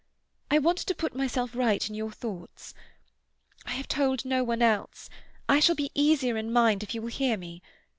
I want to put myself right in your thoughts. I have told no one else; I shall be easier in mind if you will hear me.